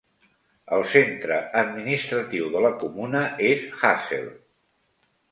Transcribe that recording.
El centre administratiu de la comuna és Hassel.